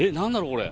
これ。